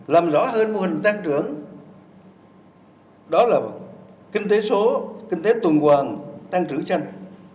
làm rõ hơn mô hình tăng trưởng đó là kinh tế số kinh tế tuần hoàng tăng trưởng tranh